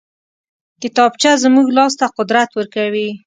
کتابچه زموږ لاس ته قدرت ورکوي